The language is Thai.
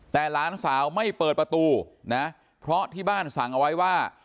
แต่หลานสาวไม่เปิดประตูนะเพราะที่บ้านสั่งเอาไว้ว่า